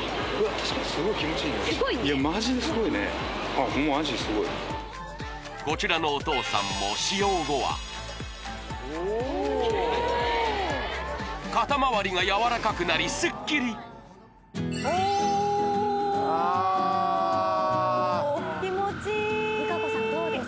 確かにマジですごいねあっホンママジですごいこちらのお父さんも使用後は肩まわりがやわらかくなりスッキリおっあっＲＩＫＡＣＯさんどうですか？